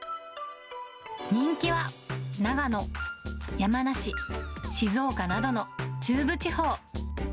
人気は長野、山梨、静岡などの中部地方。